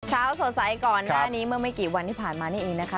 เช้าสดใสก่อนหน้านี้เมื่อไม่กี่วันที่ผ่านมานี่เองนะคะ